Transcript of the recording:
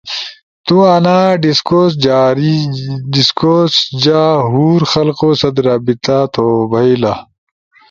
تو انا ڈیسکورس جا ہور خلقو ست رابطہ تو بھئیل